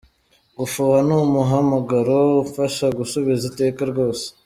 Gufuha ni umuhamagaro umfasha gusubiza iteka rwose.